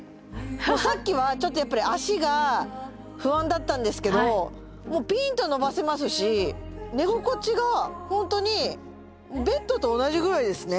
さっきはちょっとやっぱり足が不安だったんですけどピンと伸ばせますし寝心地が本当にベッドと同じぐらいですね。